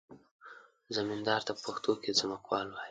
زمیندار ته په پښتو کې ځمکوال وایي.